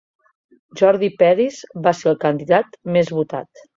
Jordi Peris va ser el candidat més votat.